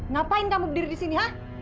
ngapain kamu berdiri di sini ya